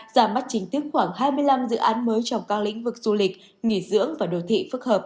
giả mắt chính tiếp khoảng hai mươi năm dự án mới trong các lĩnh vực du lịch nghỉ dưỡng và đồ thị phức hợp